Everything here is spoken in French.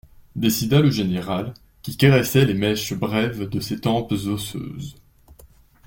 Décida le général, qui caressait les mèches brèves de ses tempes osseuses.